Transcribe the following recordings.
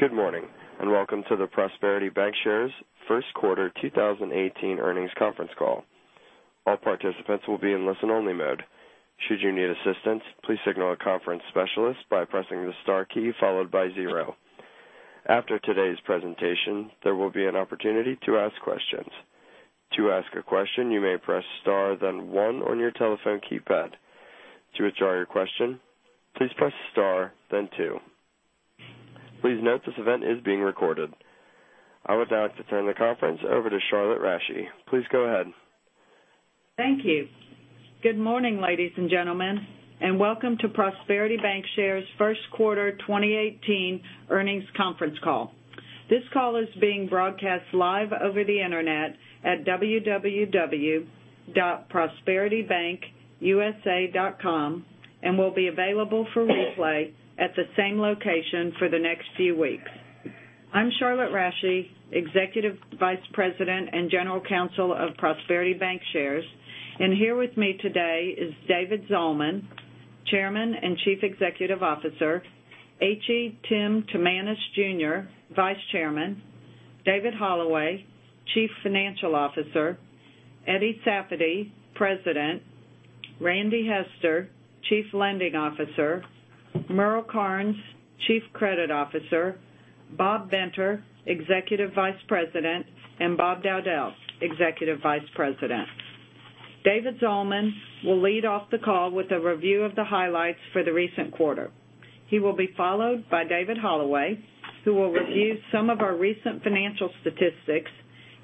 Good morning, and welcome to the Prosperity Bancshares first quarter 2018 earnings conference call. All participants will be in listen-only mode. Should you need assistance, please signal a conference specialist by pressing the star key followed by zero. After today's presentation, there will be an opportunity to ask questions. To ask a question, you may press star then one on your telephone keypad. To withdraw your question, please press star then two. Please note this event is being recorded. I would now like to turn the conference over to Charlotte Rasche. Please go ahead. Thank you. Good morning, ladies and gentlemen, welcome to Prosperity Bancshares' first quarter 2018 earnings conference call. This call is being broadcast live over the internet at www.prosperitybankusa.com and will be available for replay at the same location for the next few weeks. I'm Charlotte Rasche, executive vice president and general counsel of Prosperity Bancshares, and here with me today is David Zalman, chairman and chief executive officer, H.E. Tim Timanus Jr., vice chairman, David Holloway, chief financial officer, Eddie Safady, president, Randy Hester, chief lending officer, Merle Karnes, chief credit officer, Bob Benter, executive vice president, and Bob Dowdell, executive vice president. David Zalman will lead off the call with a review of the highlights for the recent quarter. He will be followed by David Holloway, who will review some of our recent financial statistics,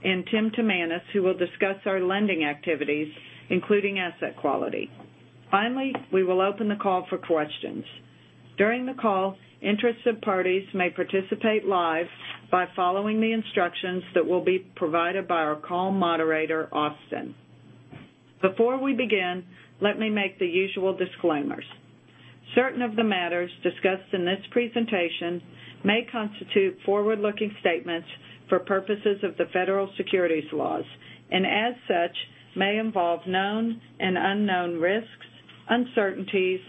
and Tim Timanus, who will discuss our lending activities, including asset quality. Finally, we will open the call for questions. During the call, interested parties may participate live by following the instructions that will be provided by our call moderator, Austin. Before we begin, let me make the usual disclaimers. Certain of the matters discussed in this presentation may constitute forward-looking statements for purposes of the federal securities laws, and as such, may involve known and unknown risks, uncertainties,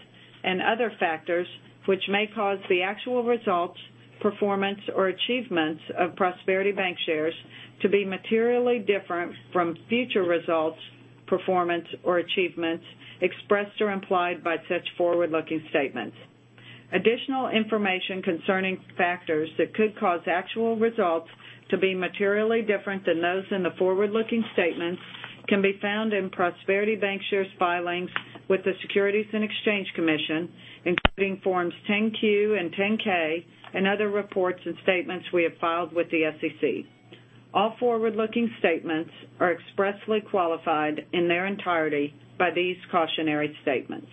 and other factors which may cause the actual results, performance, or achievements of Prosperity Bancshares to be materially different from future results, performance, or achievements expressed or implied by such forward-looking statements. Additional information concerning factors that could cause actual results to be materially different than those in the forward-looking statements can be found in Prosperity Bancshares' filings with the Securities and Exchange Commission, including Forms 10-Q and 10-K and other reports and statements we have filed with the SEC. All forward-looking statements are expressly qualified in their entirety by these cautionary statements.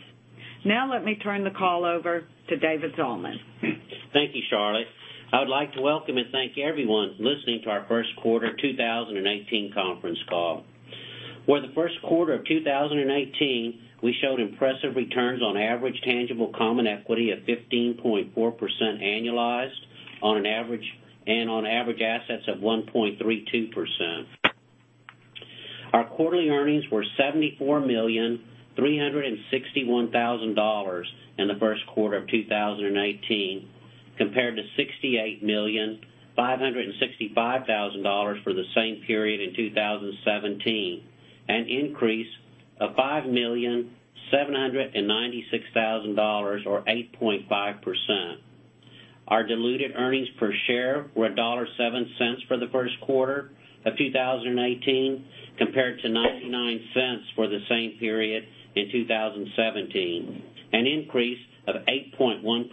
Now let me turn the call over to David Zalman. Thank you, Charlotte. I would like to welcome and thank everyone listening to our first quarter 2018 conference call. For the first quarter of 2018, we showed impressive returns on average tangible common equity of 15.4% annualized and on average assets of 1.32%. Our quarterly earnings were $74,361,000 in the first quarter of 2018, compared to $68,565,000 for the same period in 2017, an increase of $5,796,000, or 8.5%. Our diluted earnings per share were $1.07 for the first quarter of 2018, compared to $0.99 for the same period in 2017, an increase of 8.1%.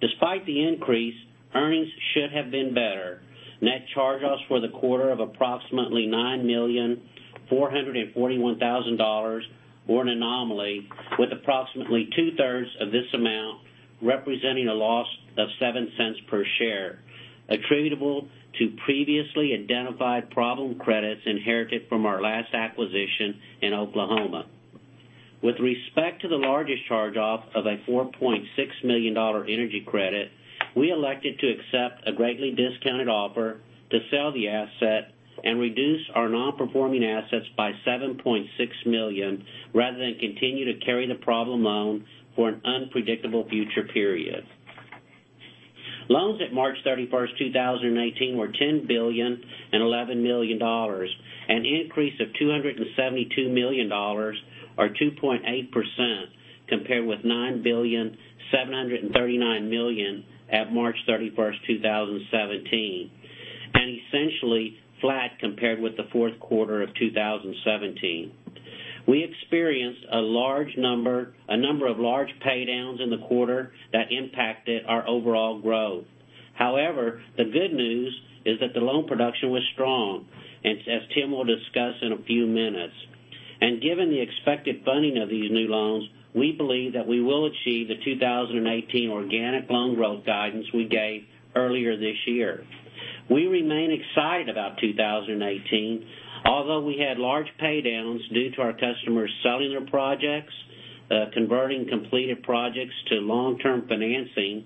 Despite the increase, earnings should have been better. Net charge-offs for the quarter of approximately $9,441,000 were an anomaly, with approximately two-thirds of this amount representing a loss of $0.70 per share, attributable to previously identified problem credits inherited from our last acquisition in Oklahoma. With respect to the largest charge-off of a $4.6 million energy credit, we elected to accept a greatly discounted offer to sell the asset and reduce our non-performing assets by $7.6 million, rather than continue to carry the problem loan for an unpredictable future period. Loans at March 31, 2018, were $10,011,000, an increase of $272 million or 2.8%, compared with $9,739,000 at March 31, 2017, and essentially flat compared with the fourth quarter of 2017. We experienced a number of large paydowns in the quarter that impacted our overall growth. The good news is that the loan production was strong, as Tim will discuss in a few minutes. Given the expected funding of these new loans, we believe that we will achieve the 2018 organic loan growth guidance we gave earlier this year. We remain excited about 2018. Although we had large paydowns due to our customers selling their projects, converting completed projects to long-term financing,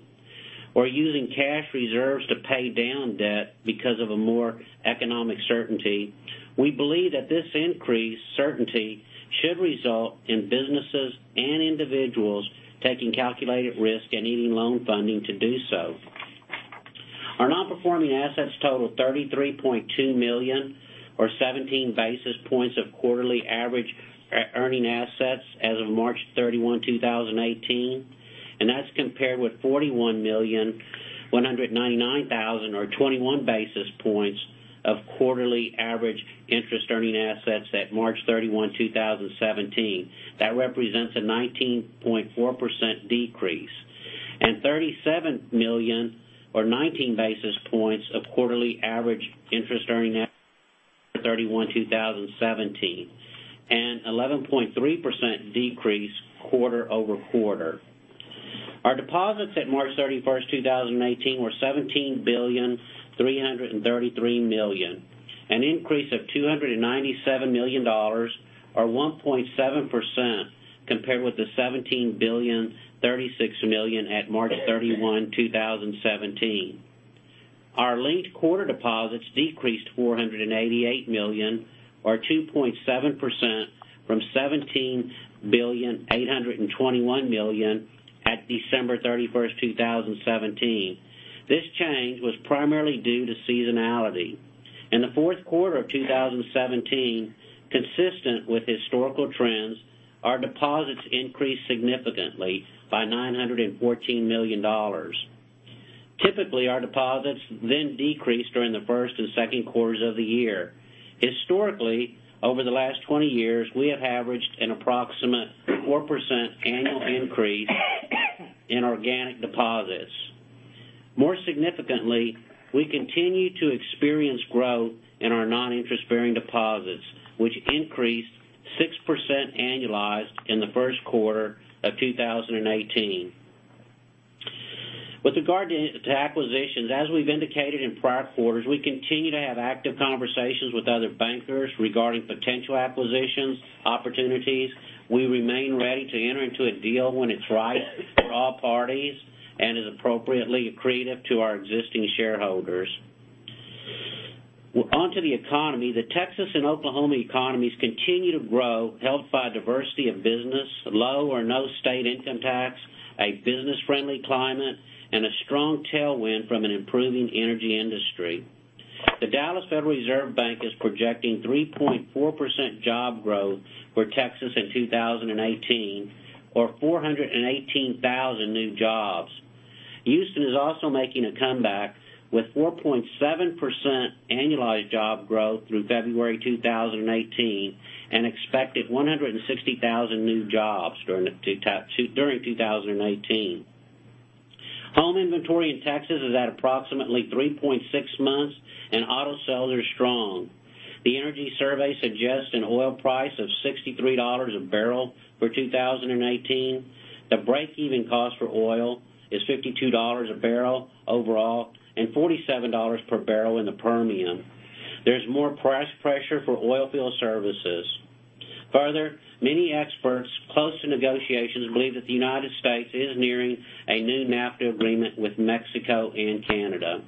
or using cash reserves to pay down debt because of a more economic certainty. We believe that this increased certainty should result in businesses and individuals taking calculated risk and needing loan funding to do so. Our non-performing assets total $33.2 million, or 17 basis points of quarterly average earning assets as of March 31, 2018, and that's compared with $41,199,000, or 21 basis points of quarterly average interest-earning assets at March 31, 2017. That represents a 19.4% decrease, and $37 million, or 19 basis points of quarterly average interest earning [inaudible] 31, 2017, and 11.3% decrease quarter-over-quarter. Our deposits at March 31, 2018, were $17,333 million, an increase of $297 million, or 1.7%, compared with the $17,036 million at March 31, 2017. Our linked quarter deposits decreased $488 million, or 2.7%, from $17,821 million at December 31, 2017. This change was primarily due to seasonality. In the fourth quarter of 2017, consistent with historical trends, our deposits increased significantly by $914 million. Typically, our deposits then decreased during the first and second quarters of the year. Historically, over the last 20 years, we have averaged an approximate 4% annual increase in organic deposits. More significantly, we continue to experience growth in our non-interest-bearing deposits, which increased 6% annualized in the first quarter of 2018. With regard to acquisitions, as we've indicated in prior quarters, we continue to have active conversations with other bankers regarding potential acquisitions opportunities. We remain ready to enter into a deal when it's right for all parties and is appropriately accretive to our existing shareholders. On to the economy. The Texas and Oklahoma economies continue to grow, helped by a diversity of business, low or no state income tax, a business-friendly climate, and a strong tailwind from an improving energy industry. The Federal Reserve Bank of Dallas is projecting 3.4% job growth for Texas in 2018, or 418,000 new jobs. Houston is also making a comeback with 4.7% annualized job growth through February 2018, an expected 160,000 new jobs during 2018. Home inventory in Texas is at approximately 3.6 months, and auto sales are strong. The Dallas Fed Energy Survey suggests an oil price of $63 a barrel for 2018. The break-even cost for oil is $52 a barrel overall, and $47 per barrel in the Permian. There's more price pressure for oil field services. Many experts close to negotiations believe that the U.S. is nearing a new NAFTA agreement with Mexico and Canada.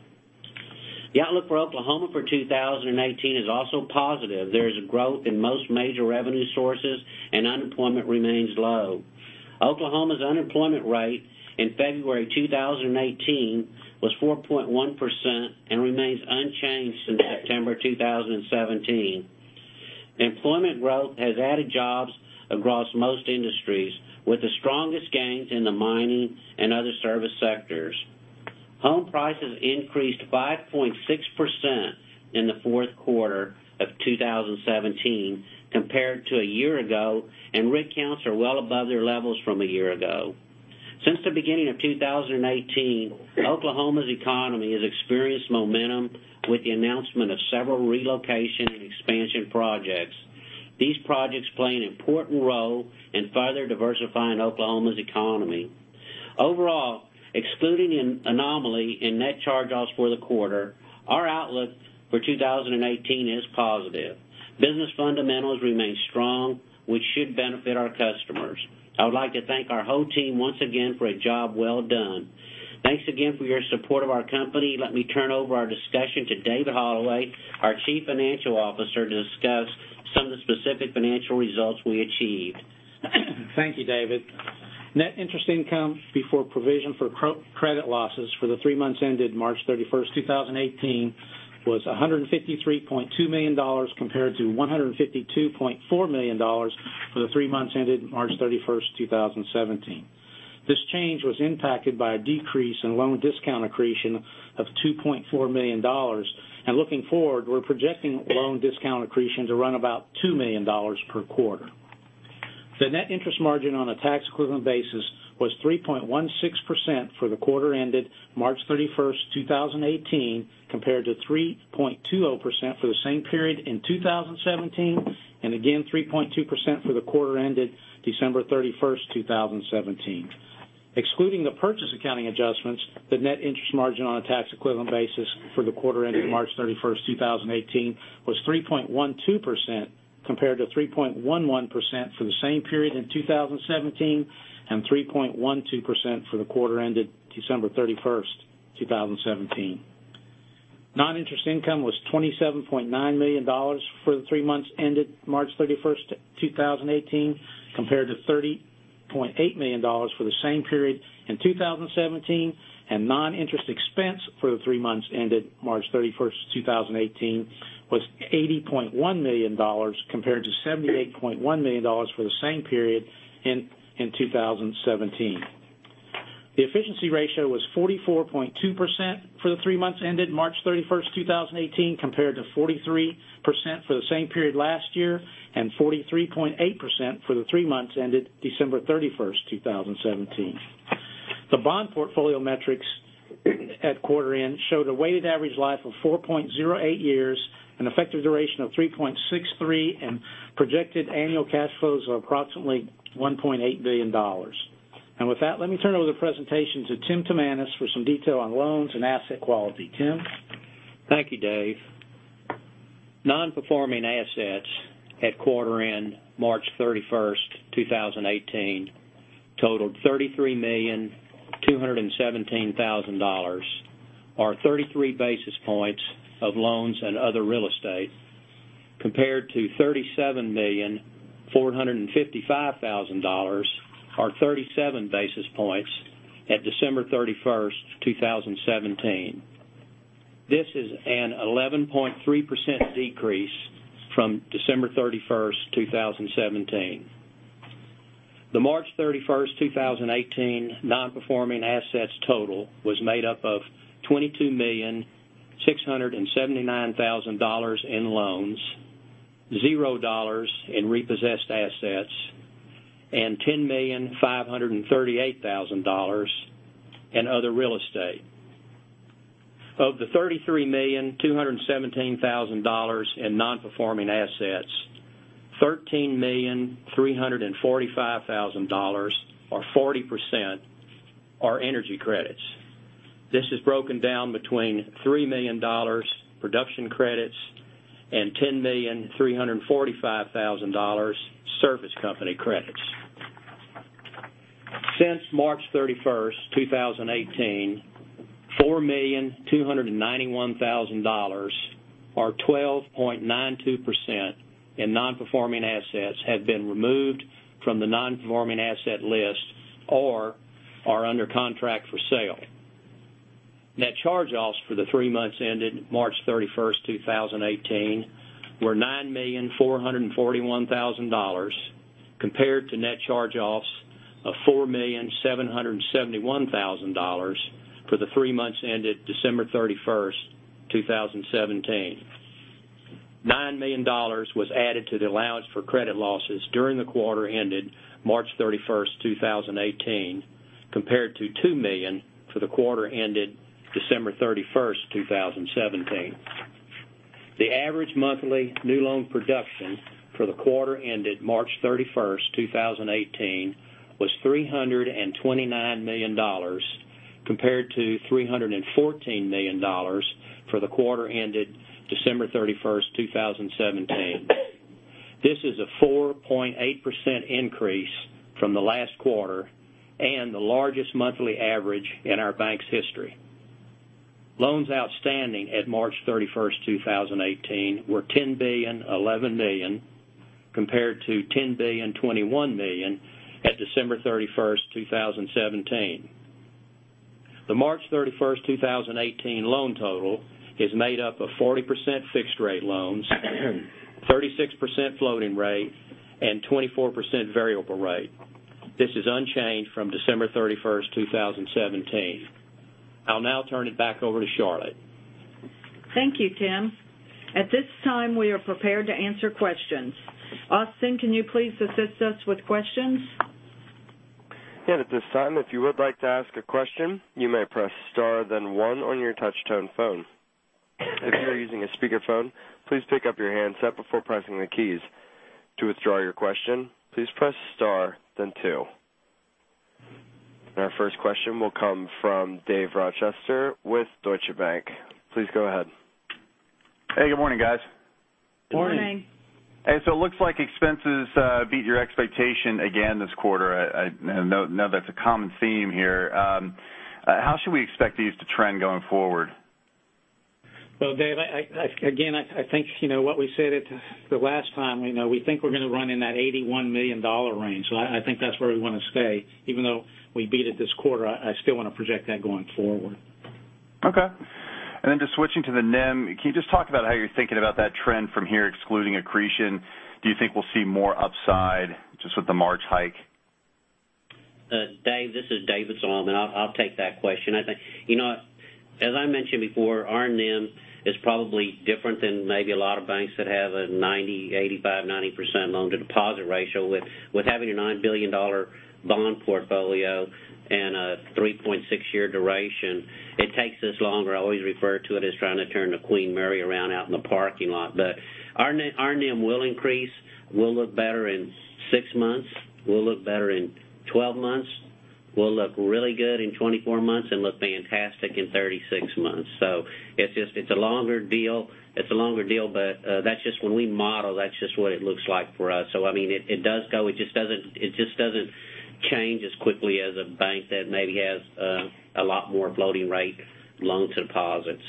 The outlook for Oklahoma for 2018 is also positive. There is growth in most major revenue sources, and unemployment remains low. Oklahoma's unemployment rate in February 2018 was 4.1% and remains unchanged since September 2017. Employment growth has added jobs across most industries, with the strongest gains in the mining and other service sectors. Home prices increased 5.6% in the fourth quarter of 2017 compared to a year ago, and rig counts are well above their levels from a year ago. Since the beginning of 2018, Oklahoma's economy has experienced momentum with the announcement of several relocation and expansion projects. These projects play an important role in further diversifying Oklahoma's economy. Overall, excluding an anomaly in net charge-offs for the quarter, our outlook for 2018 is positive. Business fundamentals remain strong, which should benefit our customers. I would like to thank our whole team once again for a job well done. Thanks again for your support of our company. Let me turn over our discussion to David Hollaway, our Chief Financial Officer, to discuss some of the specific financial results we achieved. Thank you, David. Net interest income before provision for credit losses for the three months ended March 31st, 2018, was $153.2 million, compared to $152.4 million for the three months ended March 31st, 2017. This change was impacted by a decrease in loan discount accretion of $2.4 million. Looking forward, we're projecting loan discount accretion to run about $2 million per quarter. The net interest margin on a tax-equivalent basis was 3.16% for the quarter ended March 31st, 2018, compared to 3.20% for the same period in 2017, and again, 3.2% for the quarter ended December 31st, 2017. Excluding the purchase accounting adjustments, the net interest margin on a tax-equivalent basis for the quarter ended March 31st, 2018, was 3.12%, compared to 3.11% for the same period in 2017 and 3.12% for the quarter ended December 31st, 2017. Non-interest income was $27.9 million for the three months ended March 31st, 2018, compared to $30.8 million for the same period in 2017, non-interest expense for the three months ended March 31st, 2018, was $80.1 million compared to $78.1 million for the same period in 2017. The efficiency ratio was 44.2% for the three months ended March 31st, 2018, compared to 43% for the same period last year, and 43.8% for the three months ended December 31st, 2017. The bond portfolio metrics at quarter end showed a weighted average life of 4.08 years, an effective duration of 3.63, and projected annual cash flows of approximately $1.8 billion. With that, let me turn over the presentation to Tim Timanus for some detail on loans and asset quality. Tim? Thank you, Dave. Non-performing assets at quarter end March 31st, 2018, totaled $33,217,000, or 33 basis points of loans and other real estate, compared to $37,455,000, or 37 basis points, at December 31st, 2017. This is an 11.3% decrease from December 31st, 2017. The March 31st, 2018, non-performing assets total was made up of $22,679,000 in loans, $0 in repossessed assets, and $10,538,000 in other real estate. Of the $33,217,000 in non-performing assets, $13,345,000, or 40%, are energy credits. This is broken down between $3 million production credits and $10,345,000 service company credits. Since March 31st, 2018, $4,291,000, or 12.92%, in non-performing assets have been removed from the non-performing asset list or are under contract for sale. Net charge-offs for the three months ended March 31st, 2018, were $9,441,000 compared to net charge-offs of $4,771,000 for the three months ended December 31st, 2017. $9 million was added to the allowance for credit losses during the quarter ended March 31st, 2018, compared to $2 million for the quarter ended December 31st, 2017. The average monthly new loan production for the quarter ended March 31st, 2018, was $329 million compared to $314 million for the quarter ended December 31st, 2017. This is a 4.8% increase from the last quarter and the largest monthly average in our bank's history. Loans outstanding at March 31st, 2018, were $10,011 million compared to $10,021 million at December 31st, 2017. The March 31st, 2018, loan total is made up of 40% fixed rate loans, 36% floating rate, and 24% variable rate. This is unchanged from December 31st, 2017. I'll now turn it back over to Charlotte. Thank you, Tim. At this time, we are prepared to answer questions. Austin, can you please assist us with questions? Yes. At this time, if you would like to ask a question, you may press star then one on your touch-tone phone. If you are using a speakerphone, please pick up your handset before pressing the keys. To withdraw your question, please press star then two. Our first question will come from Dave Rochester with Deutsche Bank. Please go ahead. Hey, good morning, guys. Good morning. Good morning. Hey, it looks like expenses beat your expectation again this quarter. I know that's a common theme here. How should we expect these to trend going forward? Well, Dave, again, I think what we said the last time, we think we're going to run in that $81 million range. I think that's where we want to stay. Even though we beat it this quarter, I still want to project that going forward. Okay. Just switching to the NIM, can you just talk about how you're thinking about that trend from here, excluding accretion? Do you think we'll see more upside just with the March hike? Dave, this is David Zalman. I'll take that question. As I mentioned before, our NIM is probably different than maybe a lot of banks that have a 85%, 90% loan-to-deposit ratio. With having a $9 billion bond portfolio and a 3.6-year duration, it takes us longer. I always refer to it as trying to turn the Queen Mary around out in the parking lot. Our NIM will increase. We'll look better in six months. We'll look better in 12 months. We'll look really good in 24 months and look fantastic in 36 months. It's a longer deal, but when we model, that's just what it looks like for us. It does go, it just doesn't change as quickly as a bank that maybe has a lot more floating rate loan deposits.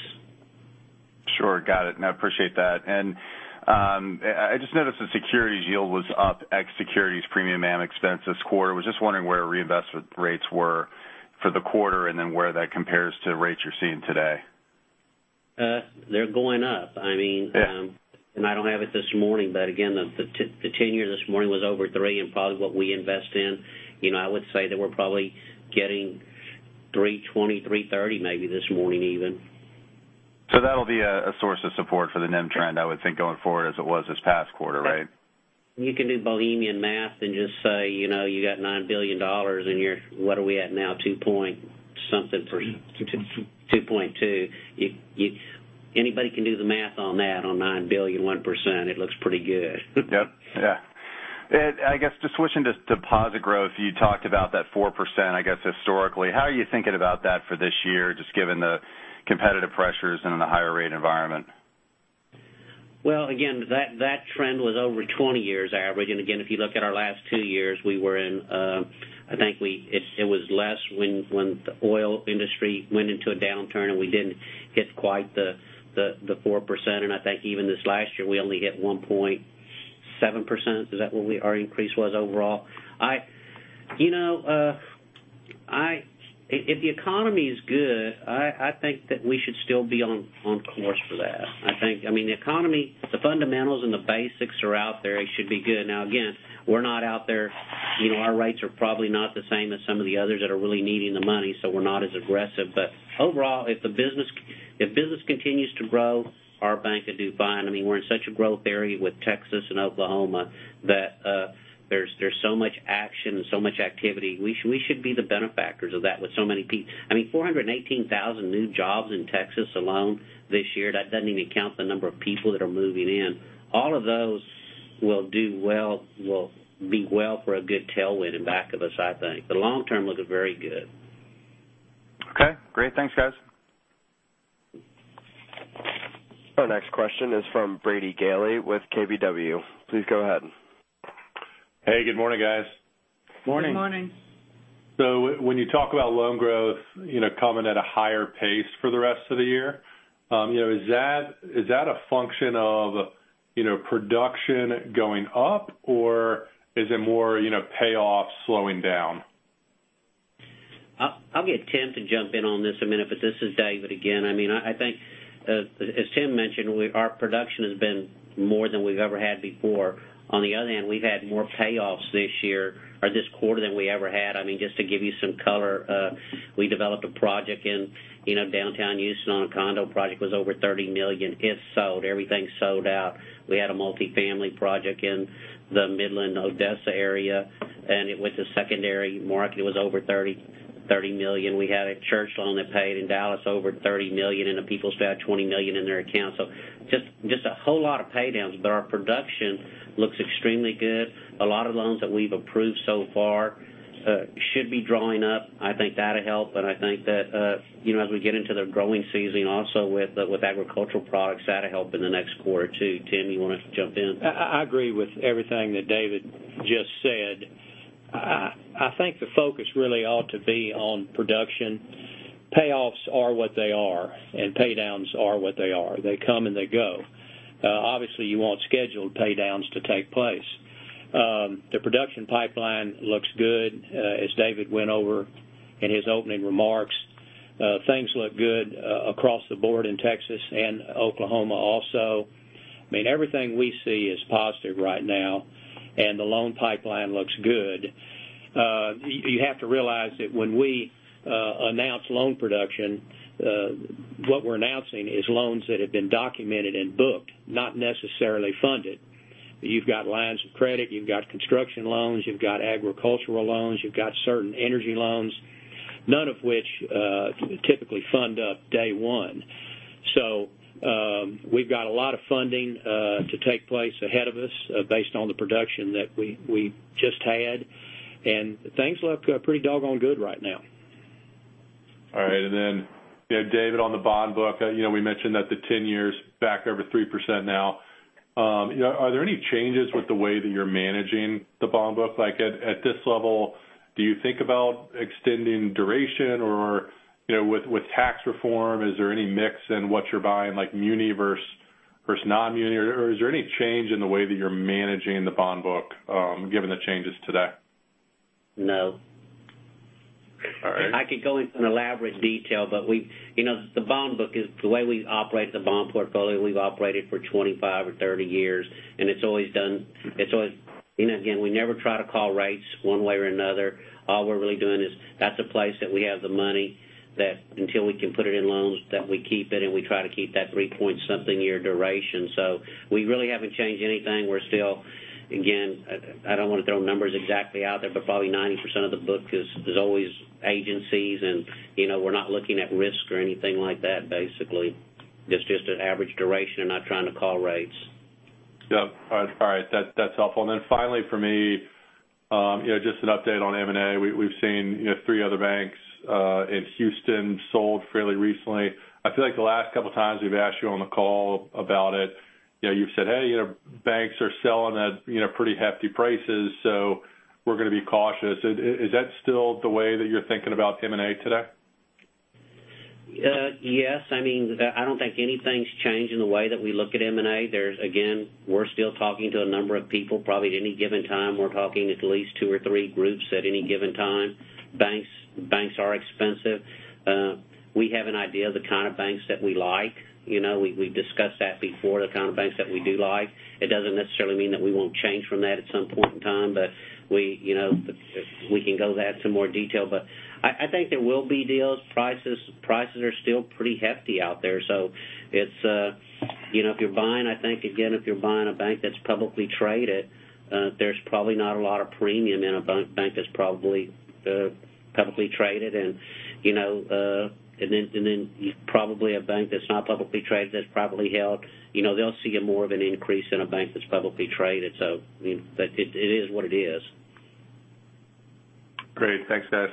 Sure. Got it. I appreciate that. I just noticed the securities yield was up ex securities premium and expense this quarter. Was just wondering where reinvestment rates were for the quarter, and then where that compares to rates you're seeing today. They're going up. Yeah. I don't have it this morning, but again, the 10-year this morning was over 3 and probably what we invest in. I would say that we're probably getting 320, 330 maybe this morning even. That'll be a source of support for the NIM trend, I would think, going forward as it was this past quarter, right? You can do back-of-the-envelope math and just say, you got $9 billion and you're, what are we at now, 2.2. Anybody can do the math on that on $9 billion, 1%. It looks pretty good. Yep. Yeah. I guess just switching to deposit growth, you talked about that 4%, I guess historically. How are you thinking about that for this year, just given the competitive pressures and the higher rate environment? Well, again, that trend was over 20 years average. Again, if you look at our last two years, we were in I think it was less when the oil industry went into a downturn and we didn't hit quite the 4%. I think even this last year, we only hit 1.7%. Is that what our increase was overall? If the economy is good, I think that we should still be on course for that. I think, the economy, the fundamentals and the basics are out there. It should be good. Now, again, we're not out there, our rates are probably not the same as some of the others that are really needing the money, so we're not as aggressive. Overall, if business continues to grow, our bank could do fine. We're in such a growth area with Texas and Oklahoma that there's so much action and so much activity. We should be the benefactors of that with so many 418,000 new jobs in Texas alone this year. That doesn't even count the number of people that are moving in. All of those will be well for a good tailwind in back of us, I think. The long term looks very good. Okay, great. Thanks, guys. Our next question is from Brady Gailey with KBW. Please go ahead. Hey, good morning, guys. Morning. Good morning. When you talk about loan growth coming at a higher pace for the rest of the year, is that a function of production going up, or is it more payoffs slowing down? I'll get Tim to jump in on this in a minute, but this is David again. I think, as Tim mentioned, our production has been more than we've ever had before. On the other hand, we've had more payoffs this year or this quarter than we ever had. Just to give you some color, we developed a project in Downtown Houston on a condo project, was over $30 million. It sold. Everything sold out. We had a multifamily project in the Midland-Odessa area, and it was a secondary market. It was over $30 million. We had a church loan that paid in Dallas over $30 million, and the people still had $20 million in their account. Just a whole lot of pay downs, but our production looks extremely good. A lot of loans that we've approved so far should be drawing up. I think that'll help, and I think that as we get into the growing season also with agricultural products, that'll help in the next quarter, too. Tim, you want to jump in? I agree with everything that David just said. I think the focus really ought to be on production. Payoffs are what they are, and pay downs are what they are. They come, and they go. Obviously, you want scheduled pay downs to take place. The production pipeline looks good as David went over in his opening remarks. Things look good across the board in Texas and Oklahoma also. Everything we see is positive right now, and the loan pipeline looks good. You have to realize that when we announce loan production, what we're announcing is loans that have been documented and booked, not necessarily funded. You've got lines of credit, you've got construction loans, you've got agricultural loans, you've got certain energy loans, none of which typically fund up day one. We've got a lot of funding to take place ahead of us based on the production that we just had, and things look pretty doggone good right now. All right. David, on the bond book, we mentioned that the 10-year's back over 3% now. Are there any changes with the way that you're managing the bond book? Like at this level, do you think about extending duration? Or with tax reform, is there any mix in what you're buying, like muni versus non-muni? Or is there any change in the way that you're managing the bond book given the changes today? No. All right. I could go into elaborate detail, the bond book is the way we operate the bond portfolio we've operated for 25 or 30 years, and it's always done Again, we never try to call rates one way or another. All we're really doing is, that's a place that we have the money that until we can put it in loans, that we keep it, and we try to keep that 3-point-something year duration. We really haven't changed anything. We're still, again, I don't want to throw numbers exactly out there, but probably 90% of the book is always agencies, and we're not looking at risk or anything like that, basically. It's just an average duration and not trying to call rates. Yep. All right. That's helpful. Finally for me, just an update on M&A. We've seen three other banks in Houston sold fairly recently. I feel like the last couple times we've asked you on the call about it, you've said, "Hey, banks are selling at pretty hefty prices." We're going to be cautious. Is that still the way that you're thinking about M&A today? Yes. I don't think anything's changed in the way that we look at M&A. Again, we're still talking to a number of people. Probably at any given time, we're talking at least two or three groups at any given time. Banks are expensive. We have an idea of the kind of banks that we like. We've discussed that before, the kind of banks that we do like. It doesn't necessarily mean that we won't change from that at some point in time, we can go into that in some more detail. I think there will be deals. Prices are still pretty hefty out there. If you're buying, I think, again, if you're buying a bank that's publicly traded, there's probably not a lot of premium in a bank that's probably publicly traded. Probably a bank that's not publicly traded, that's privately held, they'll see more of an increase than a bank that's publicly traded. It is what it is. Great. Thanks, guys.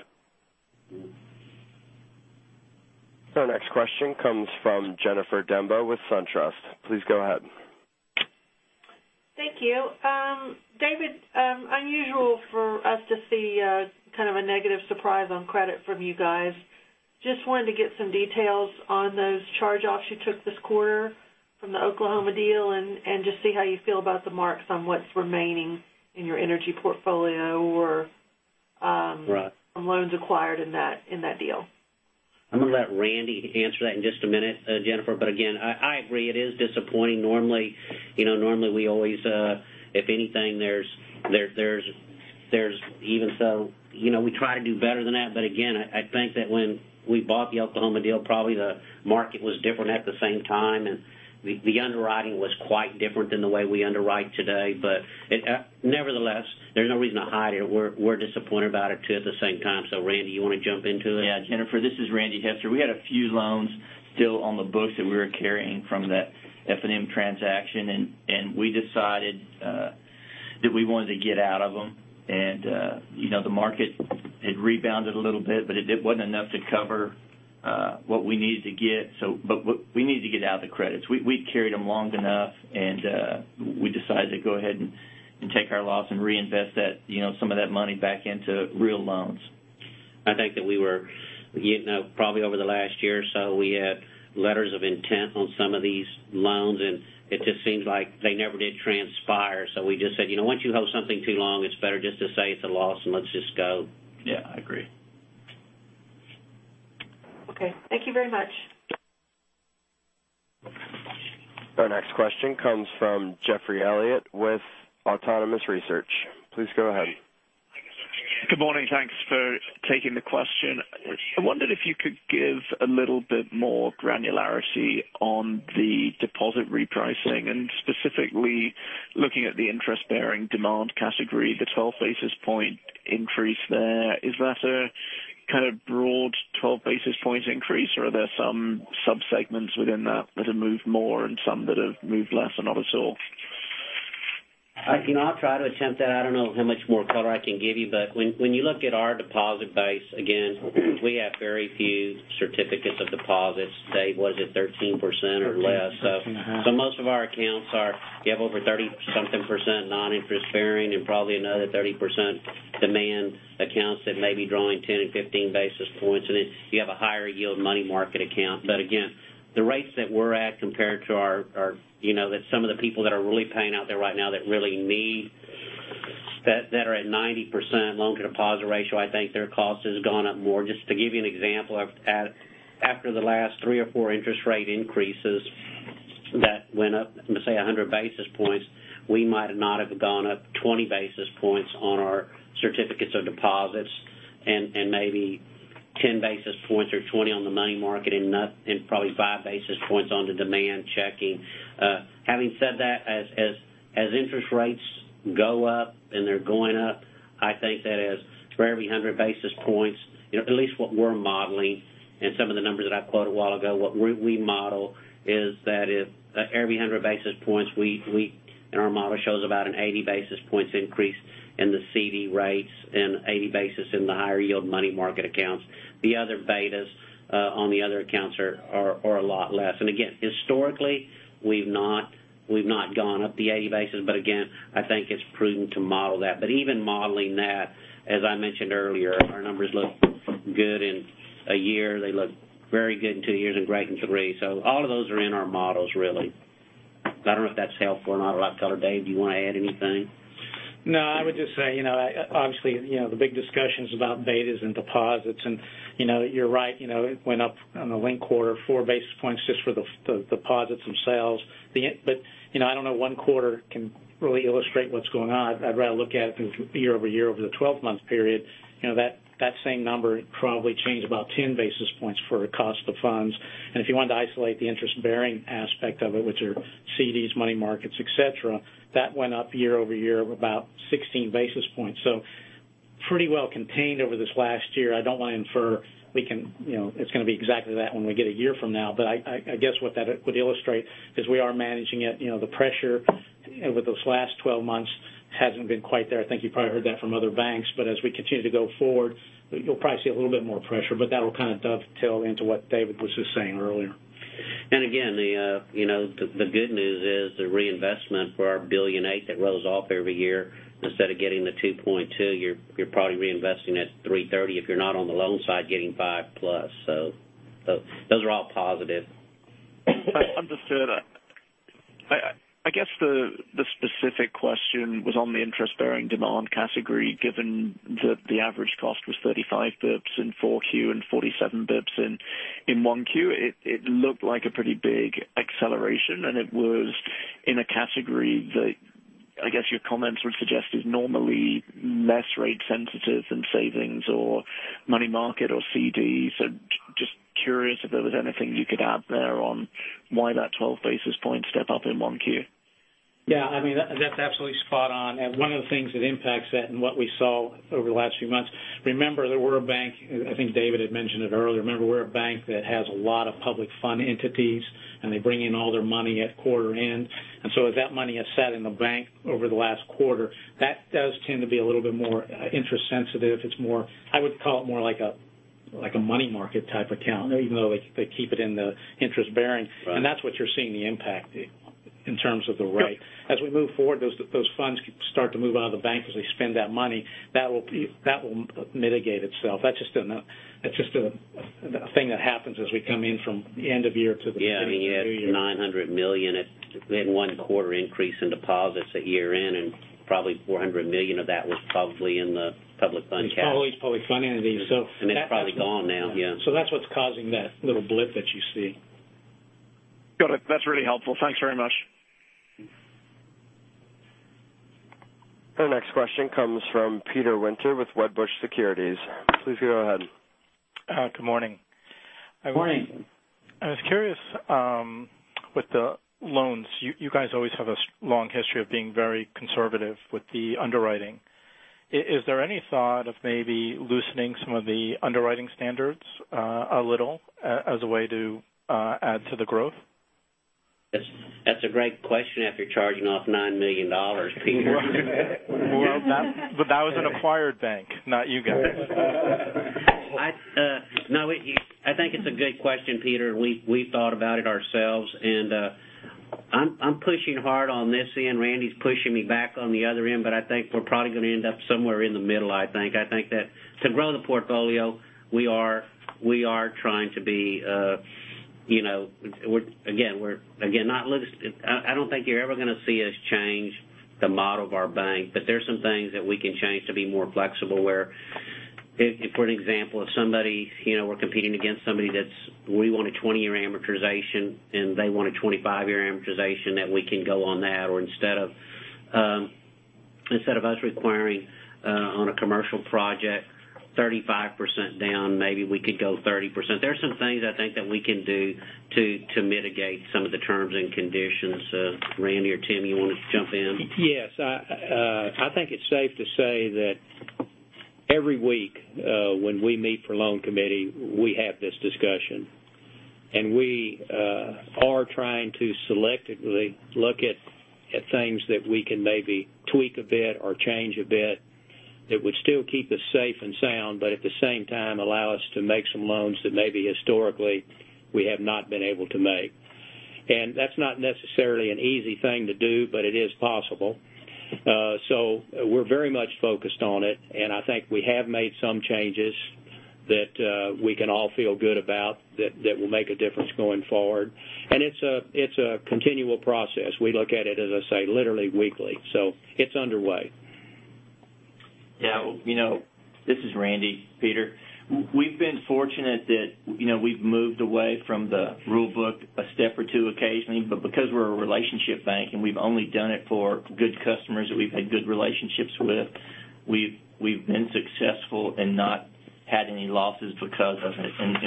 Our next question comes from Jennifer Demba with SunTrust. Please go ahead. Thank you. David, unusual for us to see kind of a negative surprise on credit from you guys. Just wanted to get some details on those charge-offs you took this quarter from the Oklahoma deal and just see how you feel about the marks on what's remaining in your energy portfolio. Right On loans acquired in that deal. I'm going to let Randy answer that in just a minute, Jennifer. Again, I agree, it is disappointing. Normally, we always, if anything, we try to do better than that. Again, I think that when we bought the Oklahoma deal, probably the market was different at the same time, and the underwriting was quite different than the way we underwrite today. Nevertheless, there's no reason to hide it. We're disappointed about it, too, at the same time. Randy, you want to jump into it? Yeah, Jennifer, this is Randy Hester. We had a few loans still on the books that we were carrying from that F&M transaction. We decided that we wanted to get out of them. The market had rebounded a little bit, it wasn't enough to cover what we needed to get. We need to get out of the credits. We carried them long enough. We decided to go ahead and take our loss and reinvest some of that money back into real loans. I think that we were getting out probably over the last year or so, we had letters of intent on some of these loans. It just seems like they never did transpire. We just said, once you hold something too long, it's better just to say it's a loss. Let's just go. Yeah, I agree. Okay. Thank you very much. Our next question comes from Geoffrey Elliott with Autonomous Research. Please go ahead. Good morning. Thanks for taking the question. I wondered if you could give a little bit more granularity on the deposit repricing, and specifically looking at the interest-bearing demand category, the 12 basis point increase there. Is that a kind of broad 12 basis points increase, or are there some subsegments within that that have moved more and some that have moved less or not at all? I'll try to attempt that. I don't know how much more color I can give you. When you look at our deposit base, again, we have very few certificates of deposits. Dave, was it 13% or less? 13.5%. Most of our accounts are, you have over 30-something percent non-interest bearing and probably another 30% demand accounts that may be drawing 10 and 15 basis points. Then you have a higher yield money market account. Again, the rates that we're at compared to some of the people that are really paying out there right now that are at 90% loan-to-deposit ratio, I think their cost has gone up more. Just to give you an example, after the last three or four interest rate increases that went up, let's say 100 basis points, we might not have gone up 20 basis points on our certificates of deposits and maybe 10 basis points or 20 on the money market and probably five basis points on the demand checking. Having said that, as interest rates go up, they're going up, I think that as for every 100 basis points, at least what we're modeling and some of the numbers that I quoted a while ago, what we model is that if every 100 basis points, our model shows about an 80 basis points increase in the CD rates and 80 basis in the higher yield money market accounts. The other betas on the other accounts are a lot less. Again, historically, we've not gone up the 80 basis, again, I think it's prudent to model that. Even modeling that, as I mentioned earlier, our numbers look good in a year, they look very good in two years and great in three. All of those are in our models, really. I don't know if that's helpful or not. A lot of color. Dave, do you want to add anything? No, I would just say, obviously, the big discussions about betas and deposits, you're right, it went up on the linked quarter four basis points just for the deposits themselves. I don't know one quarter can really illustrate what's going on. I'd rather look at it year-over-year over the 12-month period. That same number probably changed about 10 basis points for cost of funds. If you wanted to isolate the interest bearing aspect of it, which are CDs, money markets, et cetera, that went up year-over-year of about 16 basis points. Pretty well contained over this last year. I don't want to infer it's going to be exactly that when we get a year from now, I guess what that would illustrate is we are managing it. The pressure over those last 12 months hasn't been quite there. I think you probably heard that from other banks, as we continue to go forward, you'll probably see a little bit more pressure, that'll kind of dovetail into what David was just saying earlier. Again, the good news is the reinvestment for our $1.8 billion that rolls off every year, instead of getting the 2.2, you're probably reinvesting that 330, if you're not on the loan side getting 5+. Those are all positive. Understood. I guess the specific question was on the interest-bearing demand category, given that the average cost was 35 basis points in 4Q and 47 basis points in 1Q. It looked like a pretty big acceleration, it was in a category that, I guess your comments would suggest, is normally less rate sensitive than savings or money market or CDs. Just curious if there was anything you could add there on why that 12 basis points step up in 1Q. Yeah, that's absolutely spot on. One of the things that impacts that and what we saw over the last few months, remember that we're a bank, I think David had mentioned it earlier, remember, we're a bank that has a lot of public fund entities, they bring in all their money at quarter end. As that money has sat in the bank over the last quarter, that does tend to be a little bit more interest sensitive. I would call it more like a money market type account, even though they keep it in the interest bearing. Right. that's what you're seeing the impact in terms of the rate. As we move forward, those funds start to move out of the bank as they spend that money, that will mitigate itself. That's just a thing that happens as we come in from the end of year to the beginning of the new year. Yeah. You had $900 million in one quarter increase in deposits at year-end, and probably $400 million of that was probably in the public fund category. It's probably public fund entities. It's probably gone now. Yeah. That's what's causing that little blip that you see. Got it. That's really helpful. Thanks very much. Our next question comes from Peter Winter with Wedbush Securities. Please go ahead. Good morning. Morning. Morning. I was curious with the loans, you guys always have a long history of being very conservative with the underwriting. Is there any thought of maybe loosening some of the underwriting standards a little as a way to add to the growth? That's a great question after charging off $9 million, Peter. Well, that was an acquired bank, not you guys. No, I think it's a good question, Peter. We thought about it ourselves. I'm pushing hard on this end. Randy's pushing me back on the other end, I think we're probably going to end up somewhere in the middle, I think. I think that to grow the portfolio, I don't think you're ever going to see us change the model of our bank, there's some things that we can change to be more flexible where, for an example, if we're competing against somebody that we want a 20-year amortization and they want a 25-year amortization, that we can go on that, or instead of us requiring on a commercial project 35% down, maybe we could go 30%. There are some things I think that we can do to mitigate some of the terms and conditions. Randy or Tim, you want to jump in? Yes. I think it's safe to say that every week when we meet for loan committee, we have this discussion. We are trying to selectively look at things that we can maybe tweak a bit or change a bit that would still keep us safe and sound, but at the same time allow us to make some loans that maybe historically we have not been able to make. That's not necessarily an easy thing to do, but it is possible. We're very much focused on it, and I think we have made some changes that we can all feel good about that will make a difference going forward. It's a continual process. We look at it, as I say, literally weekly. It's underway. Yeah. This is Randy, Peter. We've been fortunate that we've moved away from the rule book a step or two occasionally. Because we're a relationship bank and we've only done it for good customers that we've had good relationships with, we've been successful and not had any losses because of it.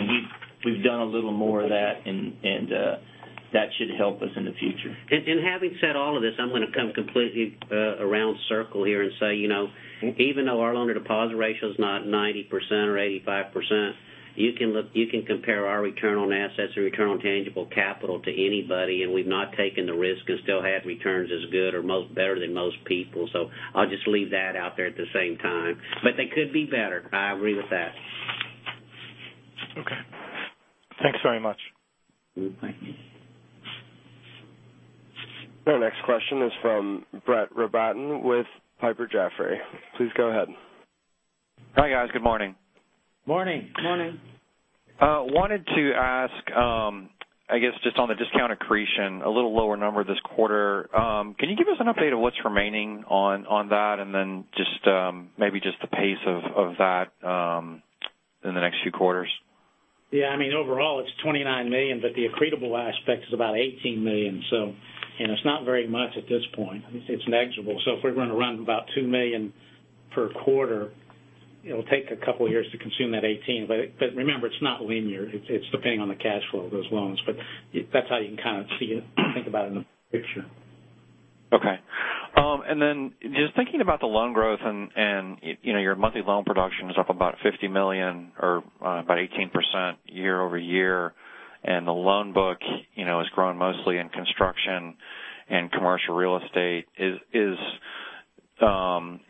We've done a little more of that, and that should help us in the future. Having said all of this, I'm going to come completely around circle here and say, even though our loan-to-deposit ratio is not 90% or 85%, you can compare our return on assets or return on tangible capital to anybody, and we've not taken the risk and still had returns as good or better than most people. I'll just leave that out there at the same time. They could be better. I agree with that. Okay. Thanks very much. Thank you. Our next question is from Brett Robatin with Piper Jaffray. Please go ahead. Hi. Good morning. Morning. Morning. I wanted to ask, I guess just on the discount accretion, a little lower number this quarter. Can you give us an update of what's remaining on that? Maybe just the pace of that in the next few quarters. Yeah, overall it's $29 million, but the accretable aspect is about $18 million. It's not very much at this point. It's negligible. If we're going to run about $2 million per quarter, it'll take a couple of years to consume that 18. Remember, it's not linear. It's depending on the cash flow of those loans. That's how you can kind of see it, think about it in the picture. Okay. Just thinking about the loan growth, your monthly loan production is up about $50 million or about 18% year-over-year. The loan book is growing mostly in construction and commercial real estate. Is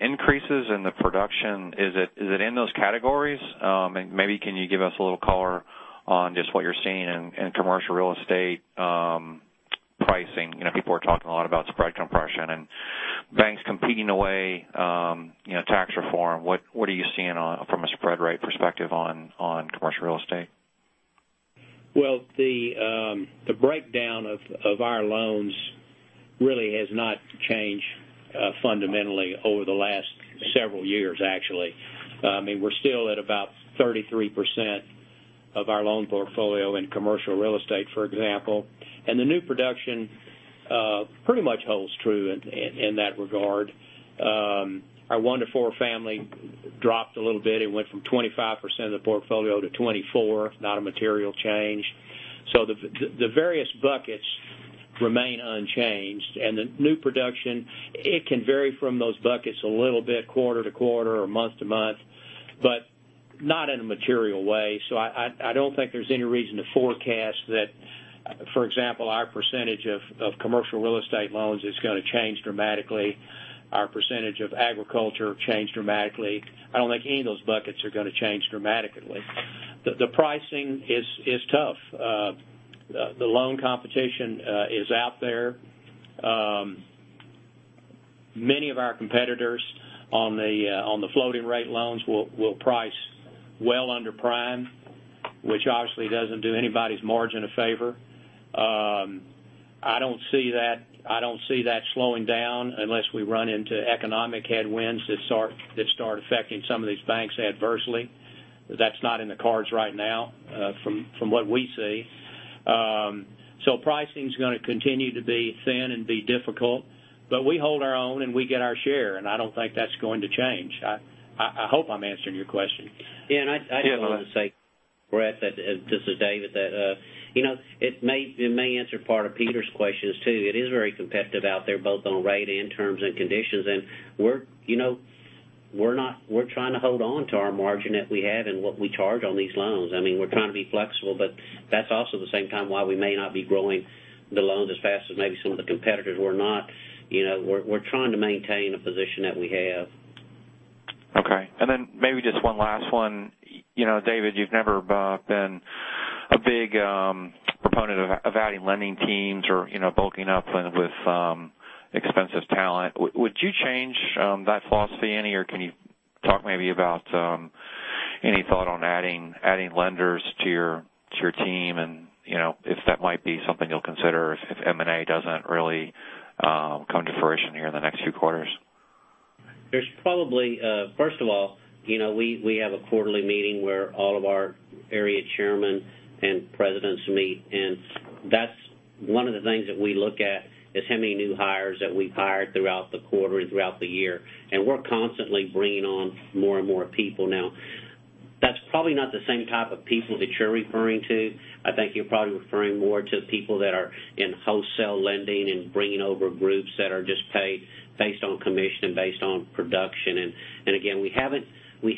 increases in the production, is it in those categories? Maybe can you give us a little color on just what you're seeing in commercial real estate pricing? People are talking a lot about spread compression and banks competing away, tax reform. What are you seeing from a spread rate perspective on commercial real estate? Well, the breakdown of our loans really has not changed fundamentally over the last several years, actually. We're still at about 33% of our loan portfolio in commercial real estate, for example. The new production pretty much holds true in that regard. Our one to four family dropped a little bit. It went from 25% of the portfolio to 24%, not a material change. The various buckets remain unchanged. The new production, it can vary from those buckets a little bit quarter-to-quarter or month-to-month, but not in a material way. I don't think there's any reason to forecast that, for example, our percentage of commercial real estate loans is going to change dramatically, our percentage of agriculture change dramatically. I don't think any of those buckets are going to change dramatically. The pricing is tough. The loan competition is out there. Many of our competitors on the floating rate loans will price well under prime, which obviously doesn't do anybody's margin a favor. I don't see that slowing down unless we run into economic headwinds that start affecting some of these banks adversely. That's not in the cards right now from what we see. Pricing is going to continue to be thin and be difficult, but we hold our own and we get our share, and I don't think that's going to change. I hope I'm answering your question. I just want to say, Brett, this is David, that it may answer part of Peter's questions, too. It is very competitive out there, both on rate and terms and conditions. We're trying to hold on to our margin that we have and what we charge on these loans. We're trying to be flexible, that's also the same time why we may not be growing the loans as fast as maybe some of the competitors. We're trying to maintain a position that we have. Okay. Maybe just one last one. David, you've never been a big proponent of adding lending teams or bulking up with expensive talent. Would you change that philosophy any, or can you talk maybe about any thought on adding lenders to your team and if that might be something you'll consider if M&A doesn't really come to fruition here in the next few quarters? First of all, we have a quarterly meeting where all of our area chairmen and presidents meet, that's one of the things that we look at is how many new hires that we've hired throughout the quarter and throughout the year. We're constantly bringing on more and more people now. That's probably not the same type of people that you're referring to. I think you're probably referring more to people that are in wholesale lending and bringing over groups that are just paid based on commission and based on production. Again, we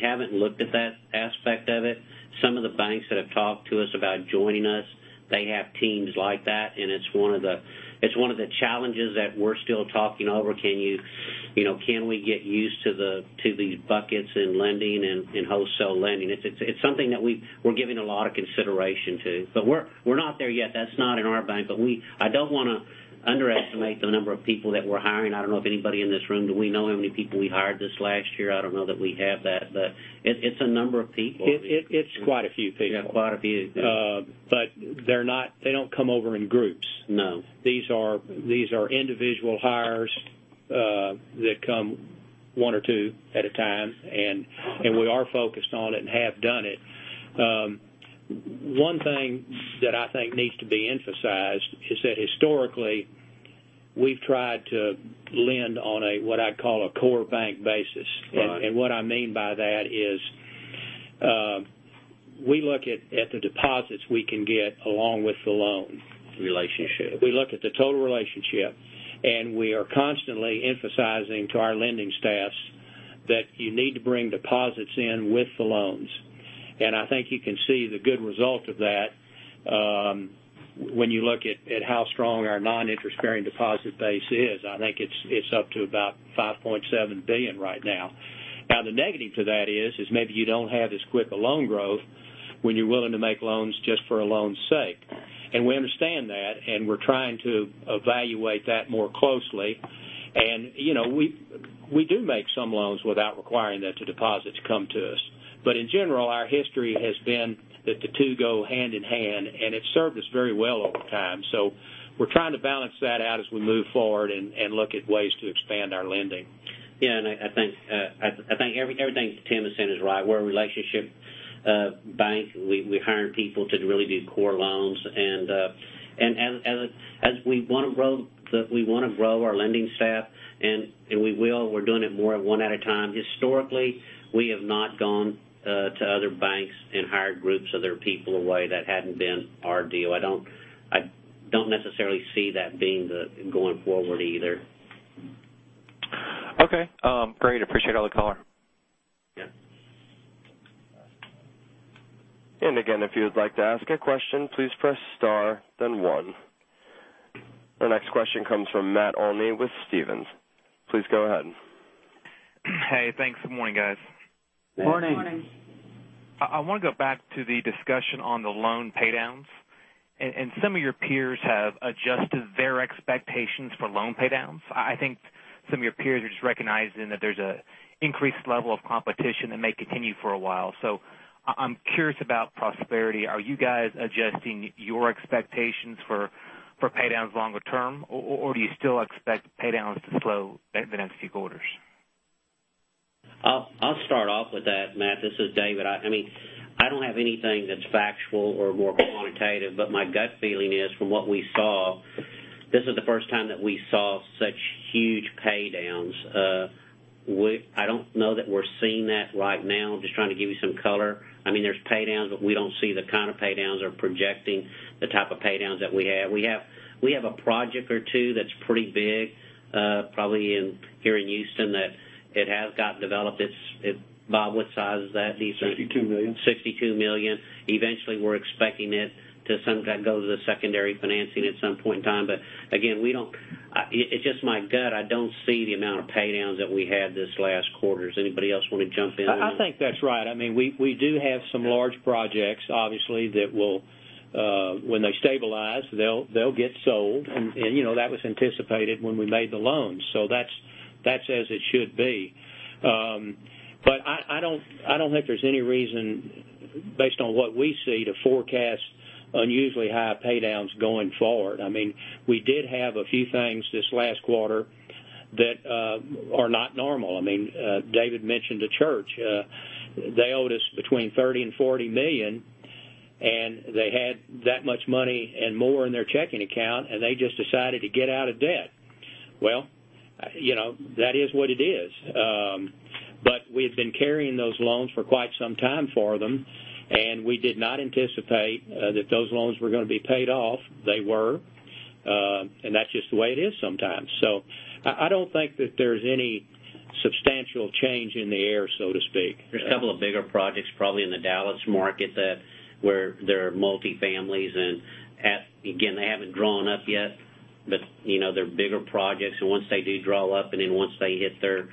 haven't looked at that aspect of it. Some of the banks that have talked to us about joining us, they have teams like that, and it's one of the challenges that we're still talking over, can we get used to these buckets in lending and in wholesale lending? It's something that we're giving a lot of consideration to, but we're not there yet. That's not in our bank. I don't want to underestimate the number of people that we're hiring. I don't know if anybody in this room, do we know how many people we hired this last year? I don't know that we have that, but it's a number of people. It's quite a few people. Yeah, quite a few. They don't come over in groups. No. These are individual hires that come one or two at a time, we are focused on it and have done it. One thing that I think needs to be emphasized is that historically, we've tried to lend on a, what I'd call a core bank basis. Right. What I mean by that is, we look at the deposits we can get along with the loan. Relationship. We look at the total relationship, we are constantly emphasizing to our lending staffs that you need to bring deposits in with the loans. I think you can see the good result of that when you look at how strong our non-interest-bearing deposit base is. I think it's up to about $5.7 billion right now. The negative to that is maybe you don't have as quick a loan growth when you're willing to make loans just for a loan's sake. We understand that, we're trying to evaluate that more closely. We do make some loans without requiring that the deposits come to us. In general, our history has been that the two go hand in hand, and it's served us very well over time. We're trying to balance that out as we move forward and look at ways to expand our lending. Yeah, I think everything Tim has said is right. We're a relationship bank. We hire people to really do core loans. As we want to grow our lending staff, and we will, we're doing it more one at a time. Historically, we have not gone to other banks and hired groups of their people away. That hadn't been our deal. I don't necessarily see that being the going forward either. Okay. Great. Appreciate all the color. Yeah. Again, if you would like to ask a question, please press star then one. The next question comes from Matt Olney with Stephens. Please go ahead. Hey, thanks. Good morning, guys. Morning. Morning. I want to go back to the discussion on the loan paydowns. Some of your peers have adjusted their expectations for loan paydowns. I think some of your peers are just recognizing that there's an increased level of competition that may continue for a while. I'm curious about Prosperity. Are you guys adjusting your expectations for paydowns longer term, or do you still expect paydowns to slow the next few quarters? I'll start off with that, Matt. This is David. I don't have anything that's factual or more quantitative, but my gut feeling is, from what we saw, this is the first time that we saw such huge paydowns. I don't know that we're seeing that right now. Just trying to give you some color. There's paydowns, but we don't see the kind of paydowns or projecting the type of paydowns that we have. We have a project or two that's pretty big, probably here in Houston, that it has gotten developed. Bob, what size is that? $62 million. $62 million. Eventually, we're expecting it to sometimes go to the secondary financing at some point in time. Again, it's just my gut. I don't see the amount of paydowns that we had this last quarter. Does anybody else want to jump in? I think that's right. We do have some large projects, obviously, that when they stabilize, they'll get sold. That was anticipated when we made the loans. That's as it should be. I don't think there's any reason, based on what we see, to forecast unusually high paydowns going forward. We did have a few things this last quarter that are not normal. David mentioned a church. They owed us between $30 million and $40 million, and they had that much money and more in their checking account, and they just decided to get out of debt. That is what it is. We had been carrying those loans for quite some time for them, and we did not anticipate that those loans were going to be paid off. They were, and that's just the way it is sometimes. I don't think that there's any substantial change in the air, so to speak. There's a couple of bigger projects, probably in the Dallas market, where there are multifamily, Again, they haven't drawn up yet, They're bigger projects. Once they do draw up, once they hit their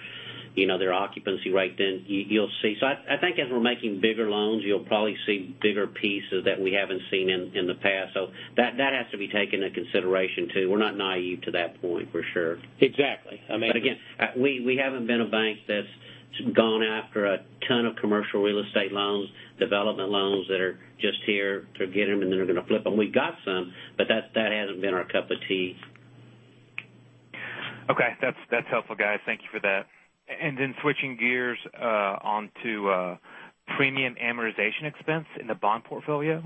occupancy rate, you'll see. I think as we're making bigger loans, you'll probably see bigger pieces that we haven't seen in the past. That has to be taken into consideration, too. We're not naive to that point, for sure. Exactly. Again, we haven't been a bank that's gone after a ton of commercial real estate loans, development loans that are just here to get them, and then they're going to flip them. We got some, but that hasn't been our cup of tea. Okay. That's helpful, guys. Thank you for that. Switching gears onto premium amortization expense in the bond portfolio,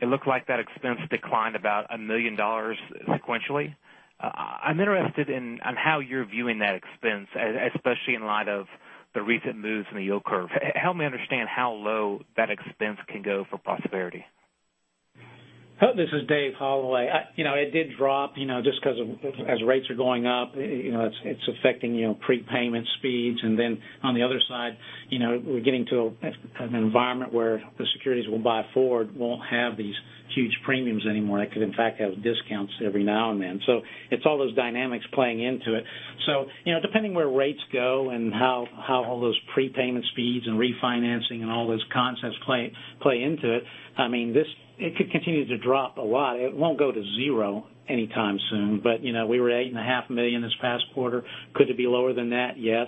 it looked like that expense declined about $1 million sequentially. I'm interested on how you're viewing that expense, especially in light of the recent moves in the yield curve. Help me understand how low that expense can go for Prosperity. This is David Holloway. It did drop just because as rates are going up, it's affecting prepayment speeds. On the other side, we're getting to an environment where the securities we'll buy forward won't have these huge premiums anymore. They could, in fact, have discounts every now and then. It's all those dynamics playing into it. Depending where rates go and how all those prepayment speeds and refinancing and all those concepts play into it could continue to drop a lot. It won't go to zero anytime soon, but we were at $8.5 million this past quarter. Could it be lower than that? Yes.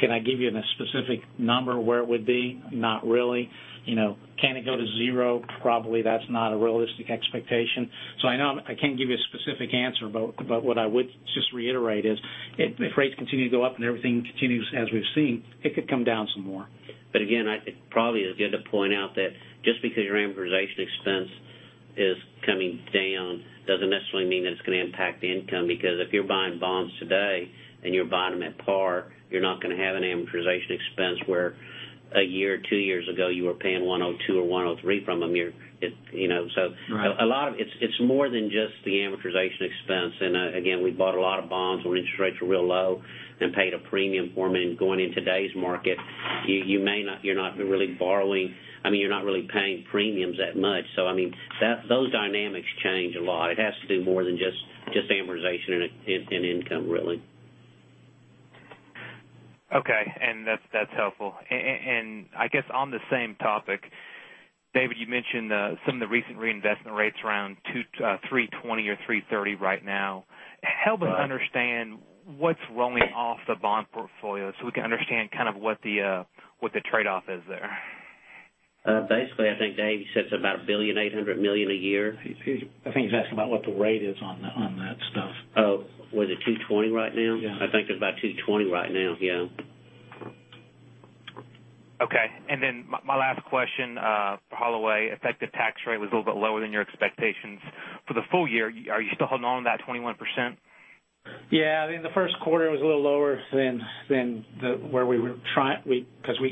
Can I give you a specific number where it would be? Not really. Can it go to zero? Probably that's not a realistic expectation. I know I can't give you a specific answer, but what I would just reiterate is if rates continue to go up and everything continues as we've seen, it could come down some more. Again, it probably is good to point out that just because your amortization expense is coming down doesn't necessarily mean that it's going to impact income, because if you're buying bonds today and you're buying them at par, you're not going to have an amortization expense where a year or two years ago you were paying 102 or 103 from them. Right. It's more than just the amortization expense. Again, we bought a lot of bonds when interest rates were real low and paid a premium for them. Going in today's market, you're not really paying premiums that much. Those dynamics change a lot. It has to do more than just amortization and income, really. Okay. That's helpful. I guess on the same topic, David, you mentioned some of the recent reinvestment rates around 320 or 330 right now. Help us understand what's rolling off the bond portfolio so we can understand kind of what the trade-off is there. Basically, I think Dave said it's about $1.8 billion a year. I think he's asking about what the rate is on that stuff. Oh, was it 220 right now? Yeah. I think it's about 220 right now. Yeah. Okay. Then my last question, David Holloway, effective tax rate was a little bit lower than your expectations for the full year. Are you still holding on to that 21%? Yeah, I think the first quarter was a little lower than where we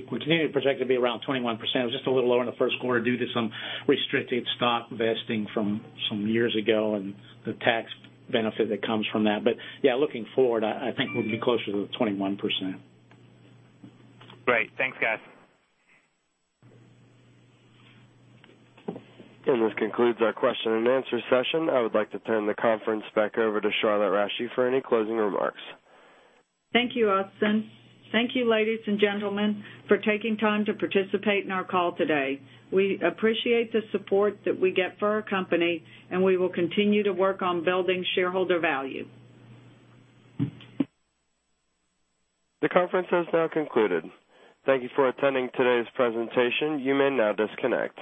continued to project it to be around 21%. It was just a little lower in the first quarter due to some restricted stock vesting from some years ago and the tax benefit that comes from that. Yeah, looking forward, I think we'll be closer to the 21%. Great. Thanks, guys. This concludes our question and answer session. I would like to turn the conference back over to Charlotte Rasche for any closing remarks. Thank you, Austin. Thank you, ladies and gentlemen, for taking time to participate in our call today. We appreciate the support that we get for our company, and we will continue to work on building shareholder value. The conference has now concluded. Thank you for attending today's presentation. You may now disconnect.